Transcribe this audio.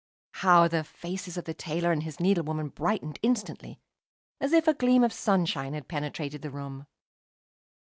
How the faces of the tailor and his needlewoman brightened instantly, as if a gleam of sunshine had penetrated the room.